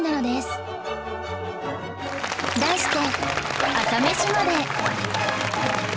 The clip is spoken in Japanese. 題して